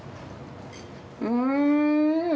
うん。